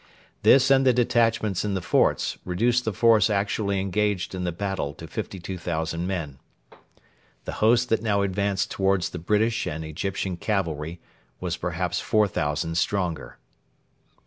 This and the detachments in the forts reduced the force actually engaged in the battle to 52,000 men. The host that now advanced towards the British and Egyptian cavalry was perhaps 4,000 stronger.